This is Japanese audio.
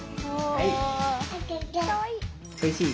おいしい？